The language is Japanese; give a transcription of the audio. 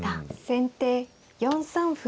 先手４三歩。